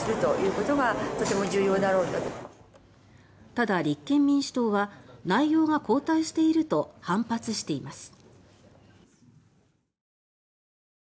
ただ、立憲民主党は「内容が後退している」と反発しています。